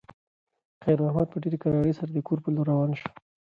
خیر محمد په ډېرې کرارۍ سره د کور په لور روان شو.